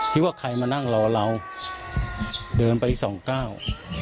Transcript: ที่ว่าใครมานั่งรอเราเดินไปอีกสองเก้า